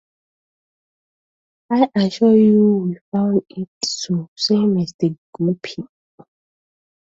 "I assure you we found it so," says Mr. Guppy.